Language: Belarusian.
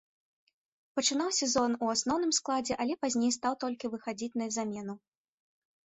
Пачынаў сезон у асноўным складзе, але пазней стаў толькі выхадзіць на замену.